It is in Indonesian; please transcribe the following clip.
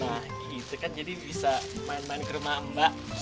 nah gitu kan jadi bisa main main ke rumah mbak